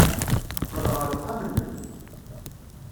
Qqel ɣer uxxam-nnem.